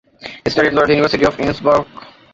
She studied law at the University of Innsbruck.